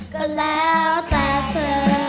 ก็แล้วแต่เธอ